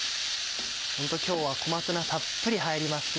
ホント今日は小松菜たっぷり入りますね。